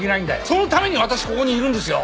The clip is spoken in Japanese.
そのために私ここにいるんですよ！